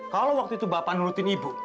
kalau waktu itu bapak nurutin ibu